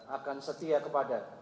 akan setia kepada